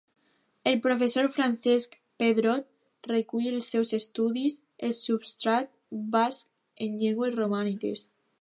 El professor Francesc Pedrot recull als seus estudis el substrat basc en llengües romàniques